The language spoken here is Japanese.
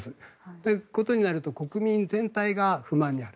そういうことになると国民全体が不満がある。